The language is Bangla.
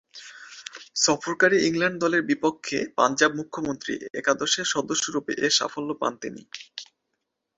সফরকারী ইংল্যান্ড দলের বিপক্ষে পাঞ্জাব মূখ্যমন্ত্রী একাদশের সদস্যরূপে এ সাফল্য পান তিনি।